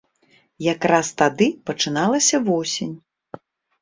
Якраз тады пачыналася восень.